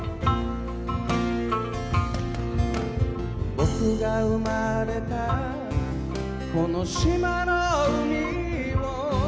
「僕がうまれたこの島の海を」